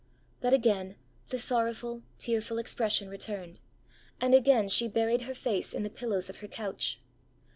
But again the sorrowful, tearful expression returned, and again she buried her face in the pillows of her couch.